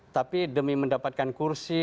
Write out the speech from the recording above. tapi demi mendapatkan kursi